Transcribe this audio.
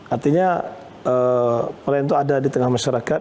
artinya peran itu ada di tengah masyarakat